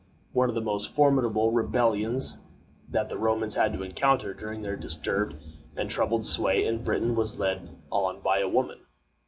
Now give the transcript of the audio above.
One of the most formidable rebellions that the Romans had to encounter during their disturbed and troubled sway in Britain was led on by a woman.